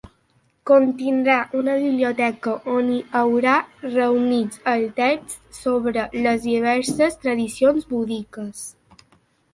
Contindrà una biblioteca on hi haurà reunits els texts sobre les diverses tradicions búdiques.